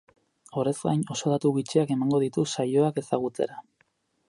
Horrez gain, oso datu bitxiak emango ditu saioak ezagutzera.